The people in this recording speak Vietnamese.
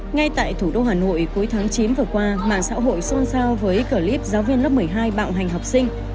ngay tại thủ đô hà nội cuối tháng chín vừa qua mạng xã hội xôn xao với clip giáo viên lớp một mươi hai bạo hành học sinh